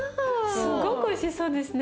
すごくおいしそうですね。